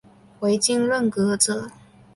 回京任谒者。